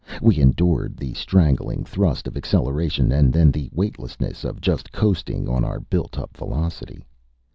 We endured the strangling thrust of acceleration, and then the weightlessness of just coasting on our built up velocity.